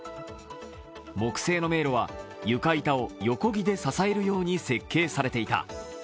木製の迷路は床板を横木で支えるように設計されていた。